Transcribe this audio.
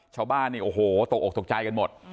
ชาวบ้านนี่โอ้โหตกออกตกใจกันหมด